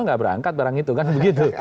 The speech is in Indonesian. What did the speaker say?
nggak berangkat barang itu kan begitu